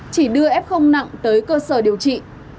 chỉ đưa f nặng tới cơ sở điều trị